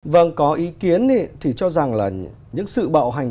vâng có ý kiến thì cho rằng là những sự bạo hành